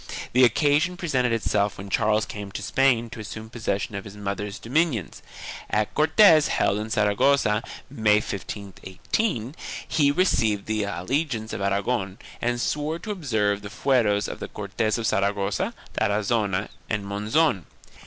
The occasion presented itself when Charles came to Spain to assume possession of his mother's dominions. At Cortes held in Sara gossa, May, 1518, he received the allegiance of Aragon and swore to observe the fueros of the Cortes of Saragossa, Tarazona and Monzon.